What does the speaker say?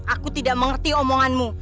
aku tidak mengerti omonganmu